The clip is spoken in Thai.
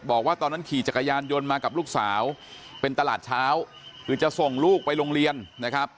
บอกว่าตอนนั้นขี่จักรยานยนต์มากับลูกสาวเป็นตลาดเช้าคือจะส่งลูกไปโรงเรียนนะครับ